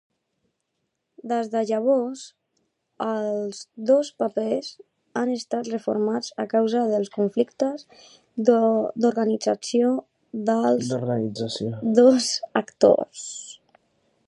Des de llavors, els dos papers han estat reformats a causa dels conflictes d'organització dels dos actors.